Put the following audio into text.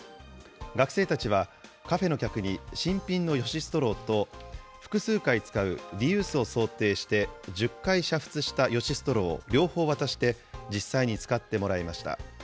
学生たちは、カフェの客に新品のヨシストローと、複数回使うリユースを想定して１０回煮沸したヨシストロー両方渡して、実際に使ってもらいました。